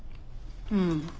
うん。